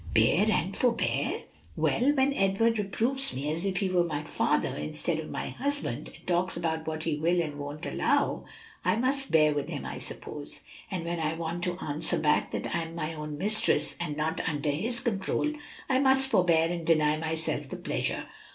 "'Bear and forbear.' Well, when Edward reproves me as if he were my father instead of my husband, and talks about what he will and won't allow, I must bear with him, I suppose; and when I want to answer back that I'm my own mistress and not under his control, I must forbear and deny myself the pleasure.